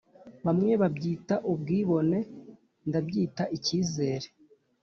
bamwe babyita ubwibone, ndabyita ikizere.